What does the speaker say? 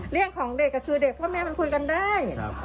เรื่องของเด็กก็คือเด็กพ่อแม่มันคุยกันได้